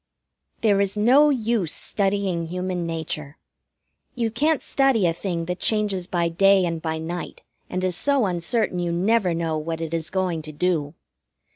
There is no use studying Human Nature. You can't study a thing that changes by day and by night, and is so uncertain you never know what it is going to do.